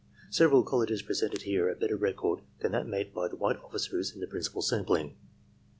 Several colleges pre sent here a better record than that made by the white officers in the principal sampling.